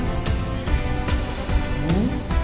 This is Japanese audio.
うん？